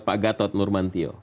pak gatot nurmantio